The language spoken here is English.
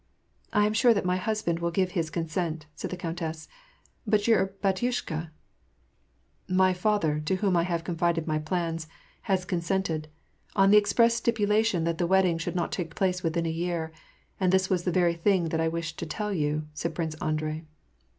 " I am sure that my husband will give his consent," said the countess ;" but your bdtyushka "—" My father, to whom I have confided my plans, has con sented; on the express stipulation that the wedding should not take place within a year ; and this was the very thing that I wished to tell you," said Prince Andrei.